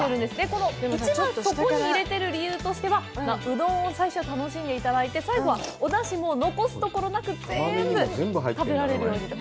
この一番底に入れている理由としては、うどんを最初楽しんでいただいて、最後は最後はお出汁も残すところなく全部食べられるようにと。